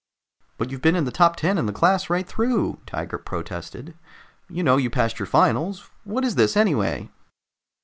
"But you've been in the top ten in the class right through!" Tiger protested. "You know you passed your finals. What is this, anyway?"